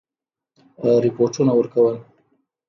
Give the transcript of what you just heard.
رپوټونه ورکول.